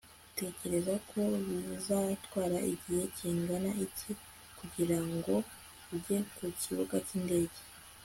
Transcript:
utekereza ko bizatwara igihe kingana iki kugira ngo ujye ku kibuga cy'indege